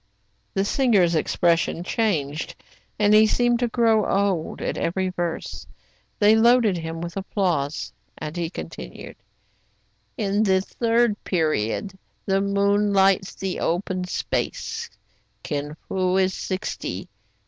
The singer's expression changed, and he seemed to grow old, at every verse. They loaded him with applause. He continued, — <*In the third period the moon lights the open space, Kin Fo is sixty.